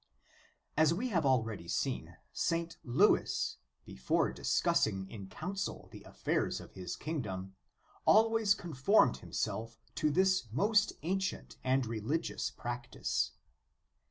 f As we have already seen, St. Louis, before discussing in council the affairs of his king dom, always conformed himself to this most ancient and religious practice.